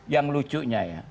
yang lucunya ya